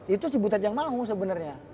itu si butet yang mau sebenernya